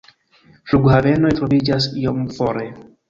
Flughavenoj troviĝas iom fore.